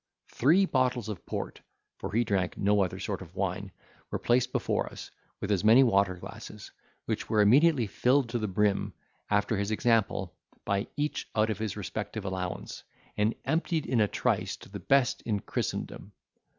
Three bottles of port (for he drank no other sort of wine) were placed before us, with as many water glasses, which were immediately filled to the brim, after his example, by each out of his respective allowance, and emptied in a trice to the best in Christendom.